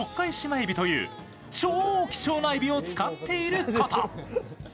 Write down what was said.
えびという超貴重なえびを使っていること。